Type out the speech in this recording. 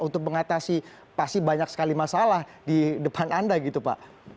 untuk mengatasi pasti banyak sekali masalah di depan anda gitu pak